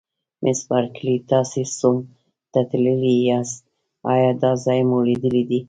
مس بارکلي: تاسي سوم ته تللي یاست، ایا دا ځای مو لیدلی دی؟